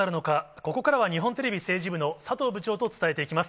ここからは日本テレビ政治部の佐藤部長と伝えていきます。